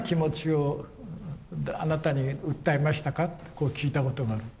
こう聞いたことがある。